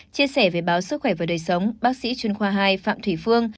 chia sẻ về báo sức khỏe và đời sống bác sĩ chuyên khoa hai phạm thùy phương